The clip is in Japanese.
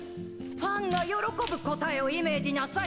ファンが喜ぶ答えをイメージなさい！